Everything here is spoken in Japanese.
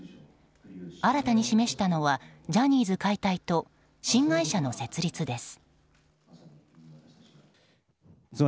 新たに示したのはジャニーズ解体と新会社の設立です。